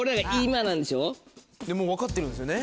分かってるんですよね？